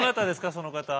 その方。